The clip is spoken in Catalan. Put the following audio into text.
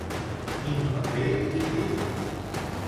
Quin paper hi té?